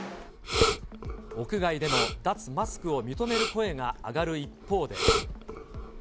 屋外での脱マスクを認める声が上がる一方で。